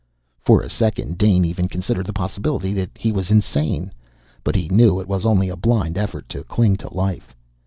For a second, Dane even considered the possibility that he was insane. But he knew it was only a blind effort to cling to life.